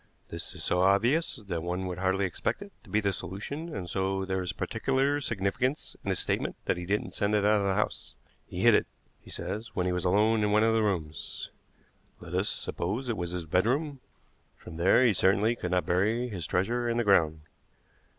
This is so obvious that one would hardly expect it to be the solution, and so there is particular significance in his statement that he didn't send it out of the house. He hid it, he says, when he was alone in one of the rooms. Let us suppose it was his bedroom. From there he certainly could not bury his treasure in the ground.